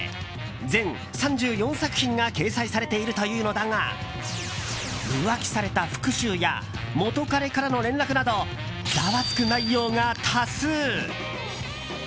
全３４作品が掲載されているというのだが浮気された復讐や元カレからの連絡などざわつく内容が多数！